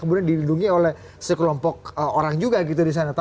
melindungi lepas aja karena